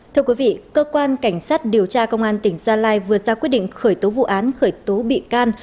thưa quý vị cơ quan cảnh sát điều tra công an tỉnh gia lai vừa ra quyết định khởi tố vụ án khởi tố bị can